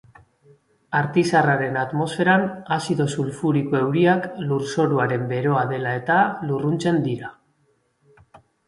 Artizarraren atmosferan azido sulfuriko-euriak lurzoruaren beroa dela eta lurruntzen dira.